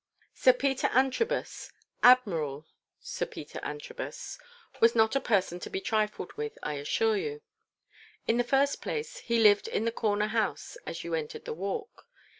Sir Peter Antrobus—Admiral Sir Peter Antrobus—was not a person to be trifled with, I assure you. In the first place, he lived in the corner house as you entered the Walk.